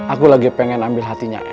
aku lagi pengen ambil hatinya